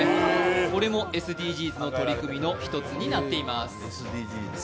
これもＳＤＧｓの取り組みの１つになっています。